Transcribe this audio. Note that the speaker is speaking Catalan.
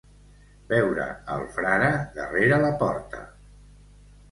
Veure el frare darrere la porta.